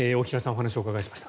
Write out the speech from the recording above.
お話をお伺いしました。